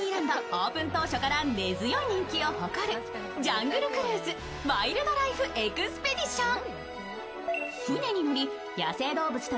オープン当初から根強い人気を誇るジャングルクルーズ：ワイルドライフ・エクスペディション。